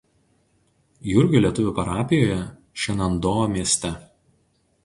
Jurgio lietuvių parapijoje Šenandoa mieste.